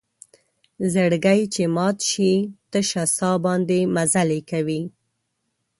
زړګۍ چې مات شي تشه سا باندې مزلې کوي